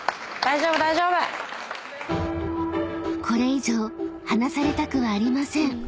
［これ以上離されたくはありません］